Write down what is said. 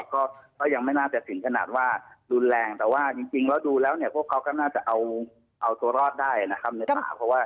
ก็ยังไม่น่าจัดสินขนาดว่าดูแรงแต่ว่าจริงแล้วดูแล้วพวกเขาก็น่าจะเอาตัวรอดได้นะครับ